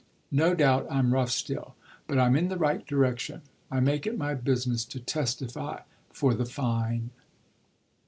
No doubt I'm rough still, but I'm in the right direction: I make it my business to testify for the fine."